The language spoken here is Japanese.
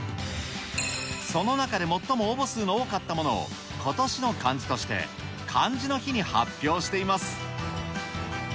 その中で最も応募数の多かったものを、今年の漢字として、漢字の日に発表しています。